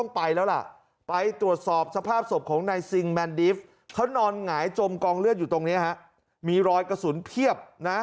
เขานอนหงายจมกองเลวชอยู่ตรงเนี้ยฮะมีรอยกระสุนเพี้ยบ